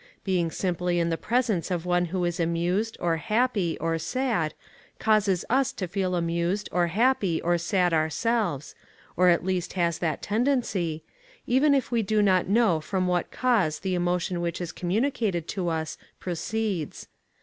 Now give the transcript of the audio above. Being simply in the presence of one who is amused, or happy, or sad, causes us to feel amused, or happy, or sad ourselves or, at least, has that tendency even if we do not know from what cause the emotion which is communicated to us proceeds.